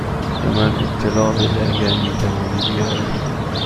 به من اطلاع بده اگر می توانی بیایی.